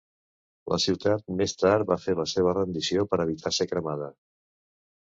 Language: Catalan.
La ciutat més tard va fer la seva rendició per evitar ser cremada.